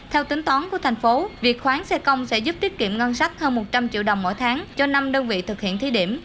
theo tính toán của thành phố việc khoán xe công sẽ giúp tiết kiệm ngân sách hơn một trăm linh triệu đồng mỗi tháng cho năm đơn vị thực hiện thí điểm